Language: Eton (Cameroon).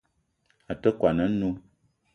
A te kwuan a-nnó